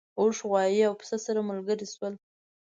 اوښ غوایی او پسه سره ملګري شول.